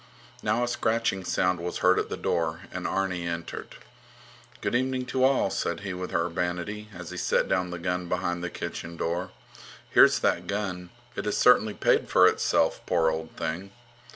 Now a scratching sound was heard at the door, and Arni entered. Good evening to all, said he with urbanity, as he set down the gun behind the kitchen door. Here's that gun. It has certainly paid for itself, poor old thing.